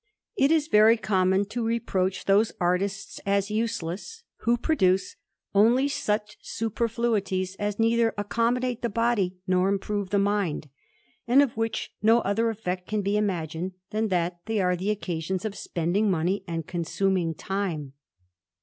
It is very common to reproach those artists as useless^ who produce only such superfluities as neither accommodate the body nor improve the mind; and of which no other effect can be imagined, than that they are the occasions of spending money and consuming time.